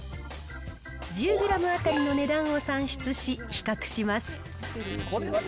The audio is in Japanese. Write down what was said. １０グラム当たりの値段を算出し、比較します。